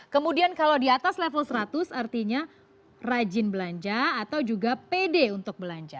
kemudian kalau di atas level seratus artinya rajin belanja atau juga pede untuk belanja